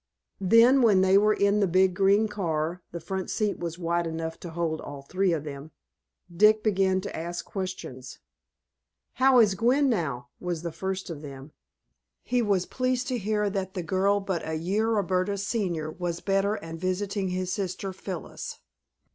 Then, when they were in the big green car (the front seat was wide enough to hold all three of them), Dick began to ask questions. "How is Gwen now?" was the first of them. He was pleased to hear that the girl, but a year Roberta's senior, was much better and visiting his sister, Phyllis.